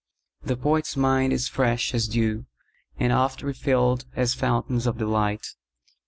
The poet's mind is fresh as dew, And oft refilled as fountains of the light.